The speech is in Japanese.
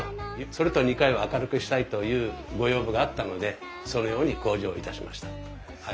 それと２階は明るくしたいというご要望があったのでそのように工事をいたしました。